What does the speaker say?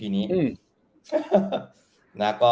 อีพีนี้